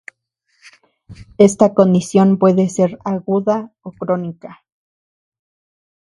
Esta condición puede ser aguda o crónica.